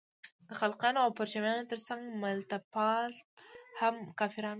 د خلقیانو او پرچمیانو تر څنګ ملتپال هم کافران وو.